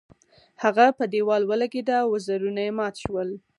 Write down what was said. هغه په دیوال ولګیده او وزرونه یې مات شول.